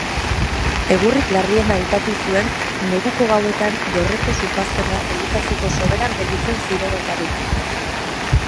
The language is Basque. Egurrik larriena hautatu zuen neguko gauetan dorreko supazterra elikatzeko soberan gelditzen zirenetarik.